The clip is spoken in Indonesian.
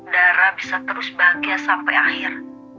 dara bisa terus bahagia sampai akhir